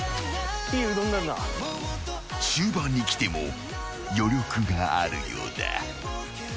［終盤にきても余力があるようだ］